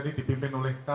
tidak boleh dibuka